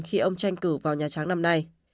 khi ông tranh cử vào nhà trắng năm nay